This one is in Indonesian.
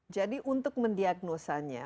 jadi untuk mendiagnosanya